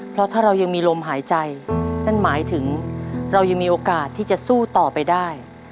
เพราะถ้าเรายังมีลมหายใจนั่นหมายถึงเรายังมีโอกาสที่จะสู้ต่อไปได้